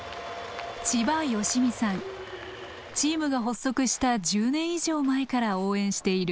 チームが発足した１０年以上前から応援している。